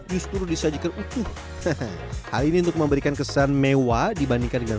justru disajikan utuh hal ini untuk memberikan kesan mewah dibandingkan dengan